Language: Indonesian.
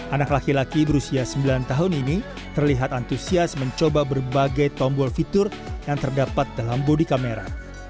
anak laki laki berusia sembilan tahun ini terlihat antusias mencoba berbagai tombol fitur yang terdapat dalam bodi kamera